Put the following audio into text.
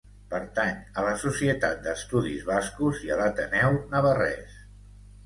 Pertany a la Societat d'Estudis Bascos i a l'Ateneu Navarrès.